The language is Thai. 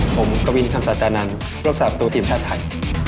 ผมกะวินคัมศาจานันท์รับสาปตัวทีมชาติไทย